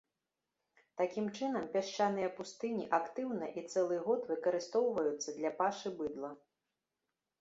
Такім чынам, пясчаныя пустыні актыўна і цэлы год выкарыстоўваюцца для пашы быдла.